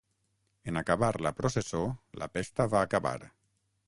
En acabar la processó, la pesta va acabar.